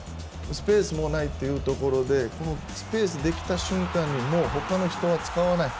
スペースもないというところでスペースができた瞬間にもう他の人は使わない。